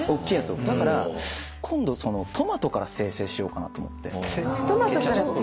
だから今度トマトから生成しようかなと思って。